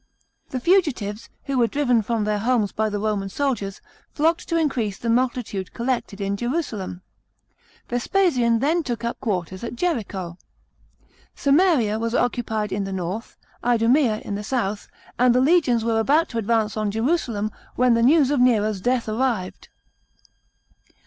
The fugitives, who were driven from their homes by the Roman soldiers, nocked to increase the multitude collected in Jerusalem. Vespasian then took up quarters at Jericho. Samaria was occupied in the north, Idumea in the south, and the legions weie about to advance on Jerusalem, when the news of Nero's death arrived.